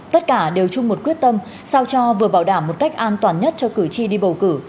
tất cả đều chung một quyết tâm sao cho vừa bảo đảm một cách an toàn nhất cho cử tri đi bầu cử